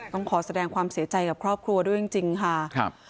ต้องขอแสดงความเสียใจกับครอบครัวด้วยจริงค่ะ